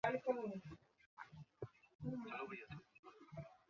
ক্যারিয়ারের শুরুর দিকে কোহলিও ওয়ানডেতে যতটা দুর্দান্ত ছিলেন, টেস্টে ততটা নয়।